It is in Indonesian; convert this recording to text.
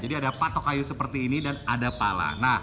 jadi ada patok kayu seperti ini dan ada pala